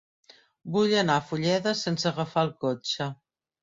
Vull anar a Fulleda sense agafar el cotxe.